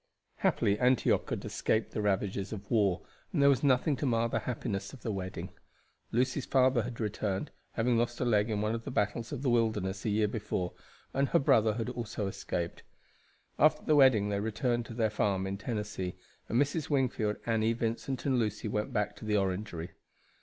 Happily Antioch had escaped the ravages of war, and there was nothing to mar the happiness of the wedding. Lucy's father had returned, having lost a leg in one of the battles of the Wilderness a year before, and her brother had also escaped. After the wedding they returned to their farm in Tennessee, and Mrs. Wingfield, Annie, Vincent, and Lucy went back to the Orangery.